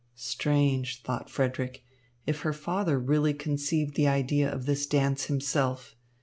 "Strange," thought Frederick, "if her father really conceived the idea of this dance himself.